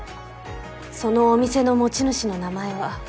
そのお店の持ち主の名前は？